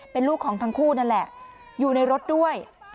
เป็นลูกของทั้งคู่นั่นแหละอยู่ในรถด้วย